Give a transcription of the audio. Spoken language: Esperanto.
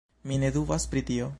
Mi ne dubas pri tio.